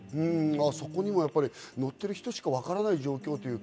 そこにも乗っている人しかわからない状況なんですね。